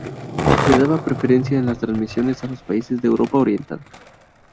Se daba preferencia en las transmisiones a los países de Europa Oriental.